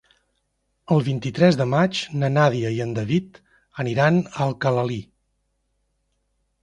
El vint-i-tres de maig na Nàdia i en David aniran a Alcalalí.